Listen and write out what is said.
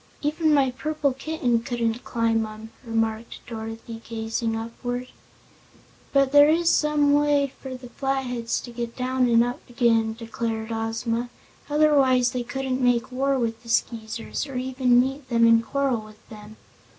"Even my purple kitten couldn't climb 'em," remarked Dorothy, gazing upward. "But there is some way for the Flatheads to get down and up again," declared Ozma; "otherwise they couldn't make war with the Skeezers, or even meet them and quarrel with them."